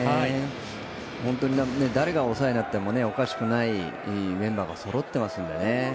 本当に誰が抑えになってもおかしくないメンバーがそろってますのでね。